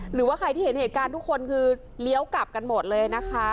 หรือว่าใครที่เห็นเหตุการณ์ทุกคนคือเลี้ยวกลับกันหมดเลยนะคะ